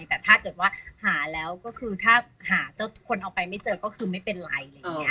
แต่ถ้าเกิดว่าหาแล้วก็คือถ้าหาเจ้าคนเอาไปไม่เจอก็คือไม่เป็นไรอะไรอย่างนี้